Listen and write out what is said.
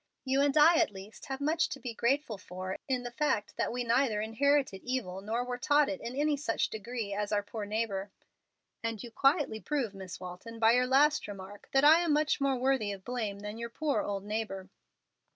You and I at least have much to be grateful for in the fact that we neither inherited evil nor were taught it in any such degree as our poor neighbor." "And you quietly prove, Miss Walton, by your last remark, that I am much more worthy of blame than your poor old neighbor."